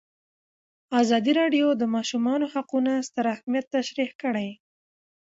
ازادي راډیو د د ماشومانو حقونه ستر اهميت تشریح کړی.